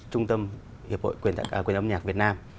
trung tâm hiệp hội quyền âm nhạc việt nam